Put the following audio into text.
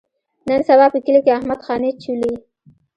نن سبا په کلي کې احمد خاني چولي.